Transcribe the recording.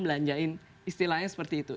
belanjain istilahnya seperti itu